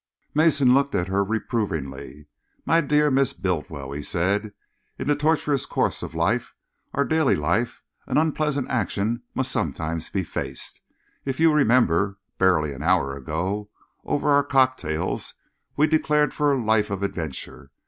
Mason looked at her reprovingly. "My dear Miss Bultiwell," he said, "in the tortuous course of life, our daily life, an unpleasant action must sometimes be faced. If you remember, barely an hour ago, over our cocktails, we declared for a life of adventure.